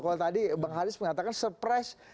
kalau tadi bang haris mengatakan surprise